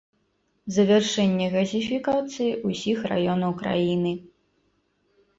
Завяршэнне газіфікацыі ўсіх раёнаў краіны.